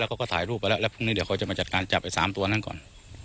แล้วก็ถ่ายรูปไปแล้วแล้วพรุ่งนี้เดี๋ยวเขาจะมาจัดการจับไอ้๓ตัวนั้นก่อน